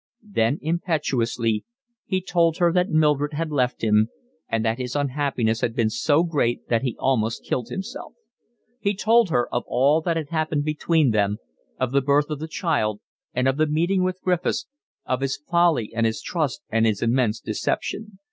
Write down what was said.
Then impetuously he told her that Mildred had left him and that his unhappiness had been so great that he almost killed himself. He told her of all that had happened between them, of the birth of the child, and of the meeting with Griffiths, of his folly and his trust and his immense deception.